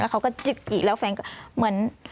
แล้วเขาก็จึ๊กอยู่แล้วแฟนก็เหมือน